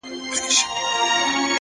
o ځکه چي ماته يې زړگی ويلی؛